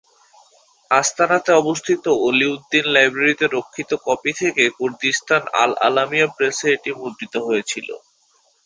আসতানাতে অবস্থিত ওলীউদ্দীন লাইব্রেরীতে রক্ষিত কপি থেকে কুর্দিস্তান আল আলামিয়া প্রেসে এটি মুদ্রিত হয়েছিল।